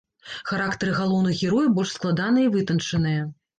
Характары галоўных герояў больш складаныя і вытанчаныя.